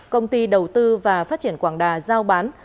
công ty đầu tư và phát triển quảng đà giao bán